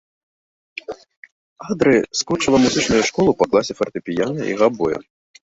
Адры скончыла музычную школу па класе фартэпіяна і габоя.